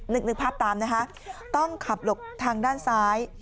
นึกภาพตามนะคะต้องขับหลบทางด้านซ้าย